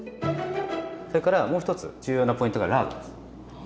それからもう一つ重要なポイントがラードです。